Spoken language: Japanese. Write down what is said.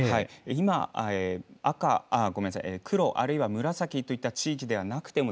今、黒、あるいは紫といった地域ではなくても、